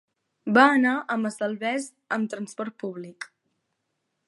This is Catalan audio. Va anar a Massalavés amb transport públic.